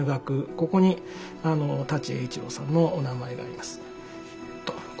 ここに舘栄一郎さんのお名前があります。